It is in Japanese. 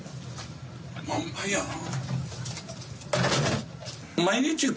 満杯やな。